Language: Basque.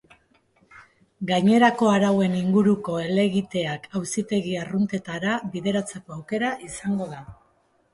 Gainerako arauen inguruko helegiteak auzitegi arruntetara bideratzeko aukera izango da.